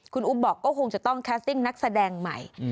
คุณอุ๊บบอกก็คงจะต้องแคสติ้งนักแสดงใหม่